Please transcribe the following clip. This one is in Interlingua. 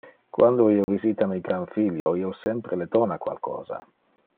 Quando io visita mi granfilio, io sempre le dona qualcosa.